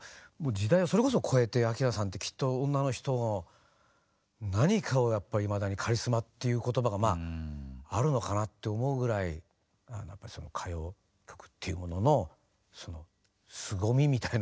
時代をそれこそ超えて明菜さんってきっと女の人の何かをやっぱりいまだにカリスマっていう言葉がまああるのかなって思うぐらいその歌謡曲っていうもののすごみみたいなものやっぱ一つの。